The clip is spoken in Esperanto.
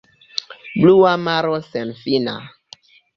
Blua maro senfina!